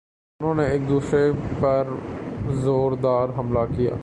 دونوں نے ایک دوسرے پرزوردار حملہ کیا